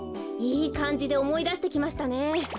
いいかんじでおもいだしてきましたね。